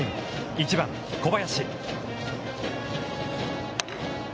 １番小林。